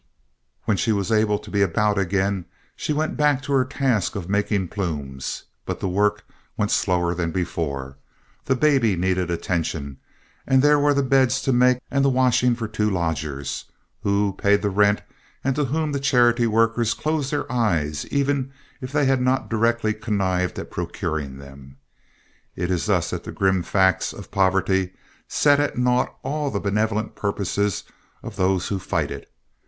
When she was able to be about again, she went back to her task of making plumes. But the work went slower than before. The baby needed attention, and there were the beds to make and the washing for two lodgers, who paid the rent and to whom the charity workers closed their eyes even if they had not directly connived at procuring them. It is thus that the grim facts of poverty set at naught all the benevolent purposes of those who fight it.